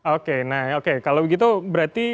oke nah oke kalau begitu berarti